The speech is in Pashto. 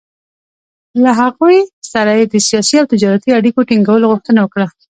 له هغوی سره یې د سیاسي او تجارتي اړیکو ټینګولو غوښتنه وکړه.